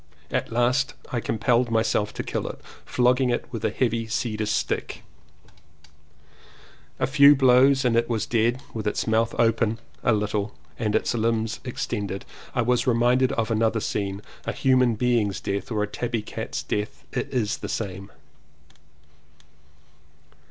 At last I compelled myself to kill it, flogging it with a heavy cedar stick. A few 257 CONFESSIONS OF TWO BROTHERS blows and it was dead with its mouth a little open and its limbs extended. I was reminded of another scene. — A human being's death or a tabby cat's death, it is the same.